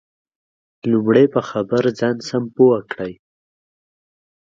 لمړی په خبر ځان سم پوه کړئ